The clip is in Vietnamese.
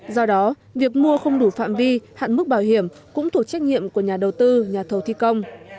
do đó việc mua không đủ phạm vi hạn mức bảo hiểm cũng thuộc trách nhiệm của nhà đầu tư nhà thầu thi công